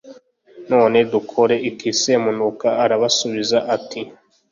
none dukore iki? semunuka arabasubiza ati